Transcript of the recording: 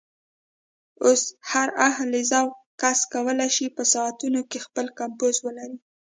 اوس هر اهل ذوق کس کولی شي په ساعتونو کې خپل کمپوز ولري.